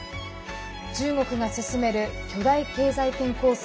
中国が進める巨大経済圏構想